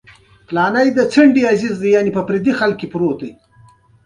د امو نهنګان ډېره ښه لوبه کوي.